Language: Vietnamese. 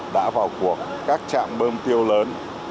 đã vào cuộc các trạm bơm tiêu lớn